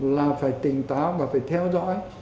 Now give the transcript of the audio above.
là phải tỉnh táo và phải theo dõi